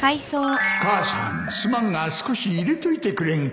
母さんすまんが少し入れといてくれんか